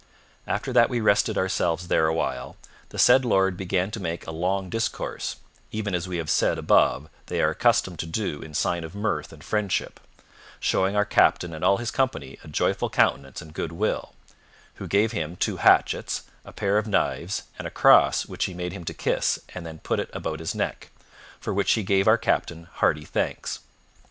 After that we rested ourselves there awhile, the said lord began to make a long discourse, even as we have said above they are accustomed to do in sign of mirth and friendship, showing our captain and all his company a joyful countenance and good will, who gave him two hatchets, a pair of knives and a cross which he made him to kiss, and then put it about his neck, for which he gave our captain hearty thanks.